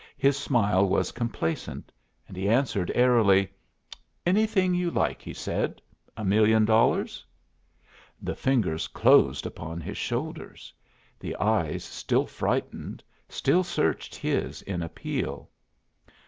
His smile was complacent. He answered airily: "Anything you like," he said; "a million dollars?" The fingers closed upon his shoulders. The eyes, still frightened, still searched his in appeal.